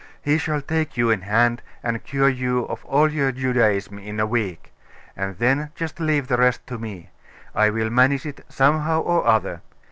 He shall take you in hand, and cure you of all your Judaism in a week; and then just leave the rest to me; I will manage it somehow or other.